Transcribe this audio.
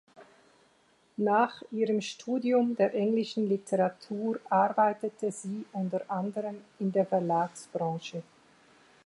Nach ihrem Studium der englischen Literatur arbeitete sie unter anderem in der Verlagsbranche.